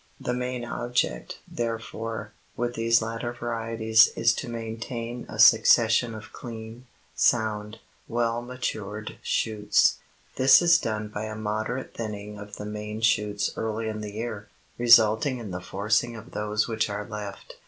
The main object, therefore, with these latter varieties is to maintain a succession of clean, sound, well matured shoots. This is done by a moderate thinning of the main shoots early in the year, resulting in the forcing of those which are left.